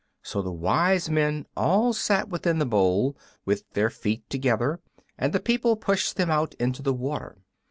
So the wise men all sat within the bowl, with their feet together, and the people pushed them out into the water.